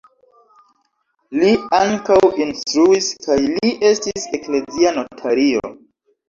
Li ankaŭ instruis kaj li estis eklezia notario.